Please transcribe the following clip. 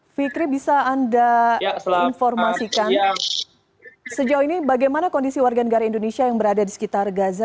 fikri bisa anda informasikan sejauh ini bagaimana kondisi warga negara indonesia yang berada di sekitar gaza